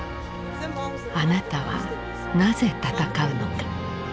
「あなたはなぜ戦うのか」。